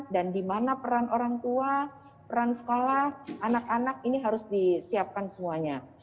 dan di mana peran orang tua peran sekolah anak anak ini harus disiapkan semuanya